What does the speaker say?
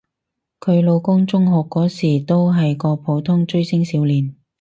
佢老公中學嗰時都係個普通追星少年